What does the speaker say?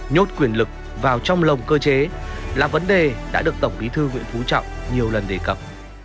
nhốt quyền lực vào trong lồng cơ chế là vấn đề đã được tổng bí thư nguyễn phú trọng nhiều lần đề cập